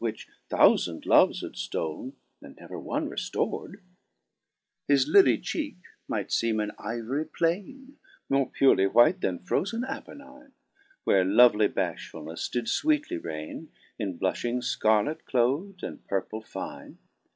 Which thoufand loves had ftoPn, and never one re ftor'd ? 4 His lilly cheeke might feeme an ivory plainc, More purely white than frozen Apenine, Where lovely Baftifulnefle did fweetly raine In bluftiing fcarlet cloth'd, and purple fine.